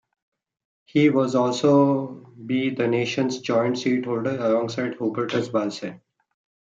He was also be the nation's joint seat-holder, alongside Hubertus Bahlsen.